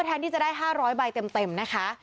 แทนที่จะได้๕๐๐ใบเต็มนะคะ